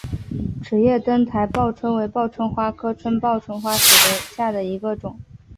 齿叶灯台报春为报春花科报春花属下的一个种。